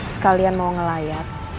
sekalian mau ngelayat